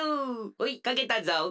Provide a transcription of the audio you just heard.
ほいかけたぞ。